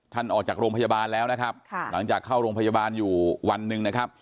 ออกจากโรงพยาบาลแล้วนะครับหลังจากเข้าโรงพยาบาลอยู่วันหนึ่งนะครับ